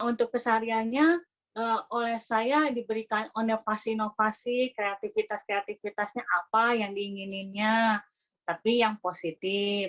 untuk kesehariannya oleh saya diberikan inovasi inovasi kreativitas kreativitasnya apa yang diingininnya tapi yang positif